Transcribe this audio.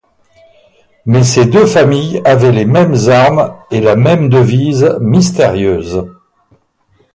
Mais ces deux familles avaient les mêmes armes et la même devise mystérieuse.